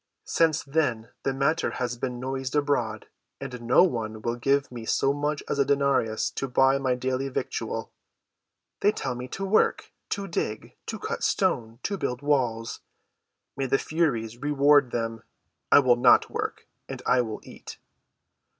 Since then the matter has been noised abroad, and no one will give me so much as a denarius to buy my daily victual. They tell me to work—to dig—to cut stone—to build walls. May the Furies reward them! I will not work, and I will eat."